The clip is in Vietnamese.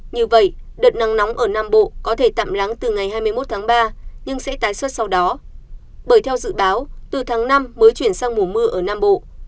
như vậy đợt nắng nóng ở nam bộ có thể tạm lắng từ ngày hai mươi một tháng ba nhưng sẽ tái xuất sau đó bởi theo dự báo từ tháng năm mới chuyển sang mùa mưa ở nam bộ